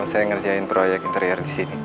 saya ngerjain proyek interior di sini